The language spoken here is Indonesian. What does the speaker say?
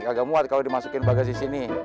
agak muat kalau dimasukin bagasi sini